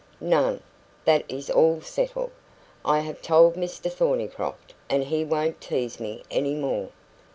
"None. That is all settled. I have told Mr Thornycroft, and he won't tease me any more."